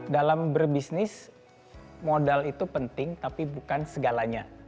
dalam berbisnis modal itu penting tapi bukan segalanya